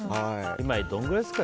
今、どのくらいですか？